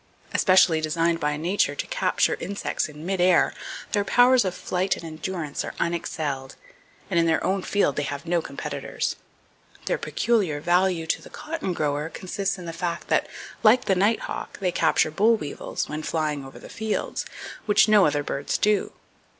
Especially designed by nature to capture insects in midair, their powers of flight and endurance are unexcelled, and in their own field they have no competitors. Their peculiar value to the cotton grower consists in the fact that, like the nighthawk, they capture boll weevils when flying over the fields, which no other birds do.